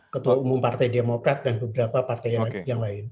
ketua umum partai demokrat dan beberapa partai yang lain